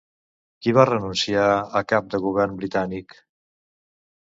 Qui va renunciar a cap del govern britànic?